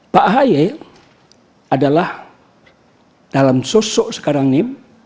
pak ahy adalah dalam sosok sekarang ini